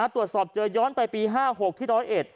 ตรวจสอบเจอย้อนไปปี๕๖ที่๑๐๑